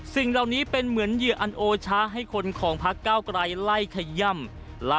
สิ่งเหล่านี้เป็นเหมือนเหยื่ออันโอชะให้คนของพักเก้าไกลไล่ขย่ำ